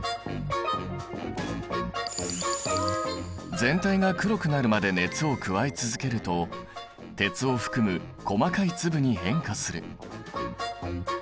全体が黒くなるまで熱を加え続けると鉄を含む細かい粒に変化する。